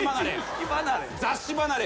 雑誌離れ。